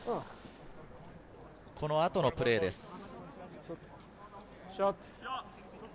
このあとのプレーです。